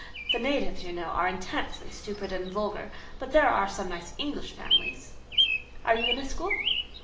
The natives, you know, are intensely stupid and vulgar; but there are some nice English families." "Are you in a school?"